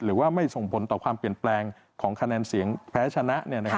หรือว่าไม่ส่งผลต่อความเปลี่ยนแปลงของคะแนนเสียงแพ้ชนะ